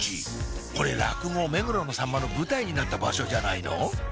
これ落語『目黒のさんま』の舞台になった場所じゃないの？